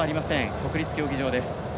国立競技場です。